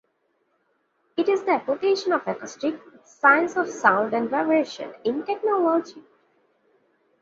It is the application of acoustics, the science of sound and vibration, in technology.